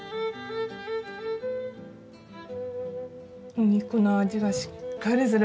お肉の味がしっかりする。